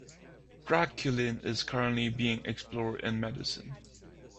Draculin is currently being explored in medicine.